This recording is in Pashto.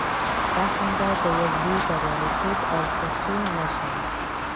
دا خندا د يو لوی برياليتوب او خوښۍ نښه وه.